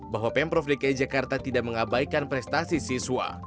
bahwa pemprov dki jakarta tidak mengabaikan prestasi siswa